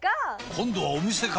今度はお店か！